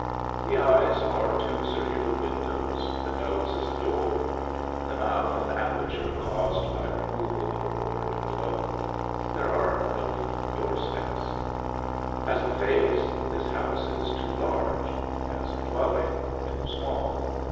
The eyes are two circular windows, the nose is a door, the mouth an aperture caused by removal of a board below. There are no doorsteps. As a face, this house is too large; as a dwelling, too small.